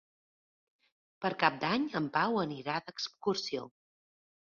Per Cap d'Any en Pau anirà d'excursió.